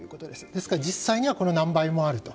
ですから実際にはこの何倍もあると。